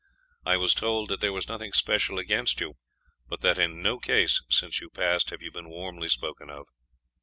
I was told that there was nothing special against you, but that in no case since you passed have you been warmly spoken of.